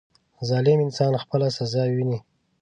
• ظالم انسان خپله سزا ویني.